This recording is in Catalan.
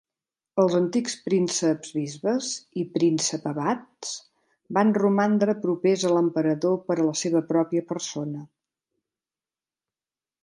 Els antics prínceps-bisbes i príncep-abats van romandre propers a l'emperador per a la seva pròpia persona.